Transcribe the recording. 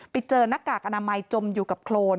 ไปเจอหน้ากากอนามัยจมอยู่กับโครน